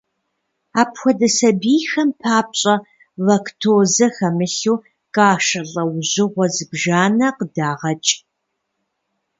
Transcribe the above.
Апхуэдэ сабийхэм папщӀэ лактозэ хэмылъу кашэ лӀэужьыгъуэ зыбжанэ къыдагъэкӀ.